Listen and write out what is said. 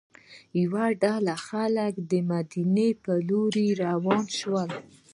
یوه ډله خلک د مدینې پر لور روان شول.